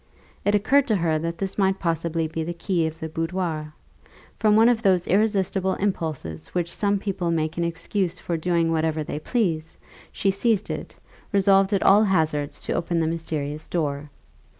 It occurred to her that this might possibly be the key of the boudoir. From one of those irresistible impulses which some people make an excuse for doing whatever they please, she seized it, resolved at all hazards to open the mysterious door.